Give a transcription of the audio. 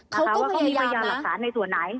เขาก็ต้องมาย่ำล่ะหน่ะ